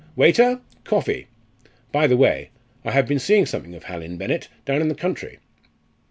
Waiter! coffee. By the way, I have been seeing something of Hallin, Bennett, down in the country."